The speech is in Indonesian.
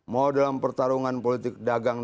mau dalam pertarungan politik dagang